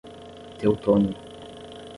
Teutônia